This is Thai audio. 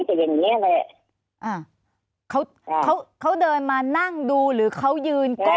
จะอย่างเงี้ยเลยอ่าเขาเขาเขาเขาเขาเขาเขาเขาเขาเขาเขา